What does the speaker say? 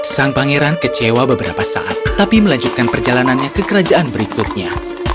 sang pangeran kecewa beberapa saat tapi melanjutkan perjalanannya ke kerajaan berikutnya